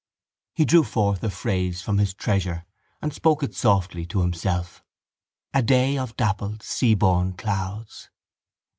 He drew forth a phrase from his treasure and spoke it softly to himself: —A day of dappled seaborne clouds.